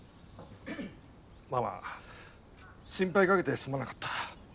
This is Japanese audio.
ママ心配かけてすまなかった。